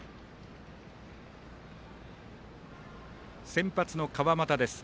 先発の川又です。